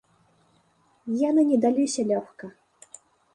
Яны не даліся лёгка.